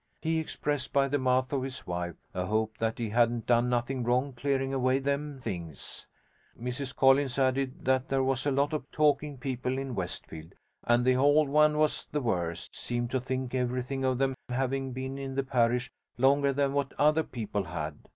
He expressed, by the mouth of his wife, a hope that he hadn't done nothing wrong clearing away them things. Mrs Collins added that there was a lot of talking people in Westfield, and the hold ones was the worst: seemed to think everything of them having been in the parish longer than what other people had.